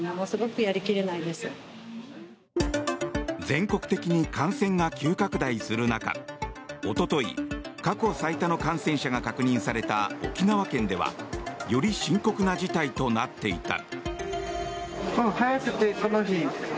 全国的に感染が急拡大する中おととい、過去最多の感染者が確認された沖縄県ではより深刻な事態となっていた。